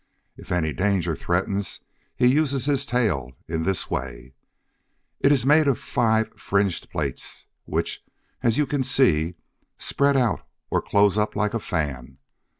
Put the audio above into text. If any danger threatens, he uses his tail, in this way: It is made of five fringed plates, which, as you can see, spread out or close up, like a fan.